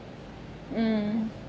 うん。